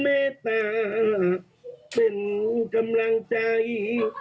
เมตตาเป็นกำลังใจ